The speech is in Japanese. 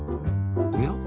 おや？